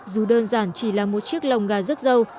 dù đơn giản chỉ là một chiếc lồng gà rước dâu